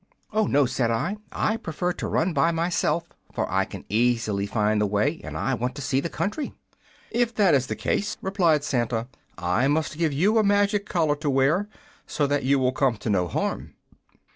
"'Oh, no,' said I, 'I prefer to run by myself, for I can easily find the way and I want to see the country.' "'If that is the case,' replied Santa, 'I must give you a magic collar to wear, so that you will come to no harm.'